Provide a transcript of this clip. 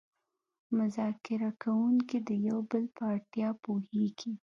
مذاکره کوونکي د یو بل په اړتیاوو پوهیږي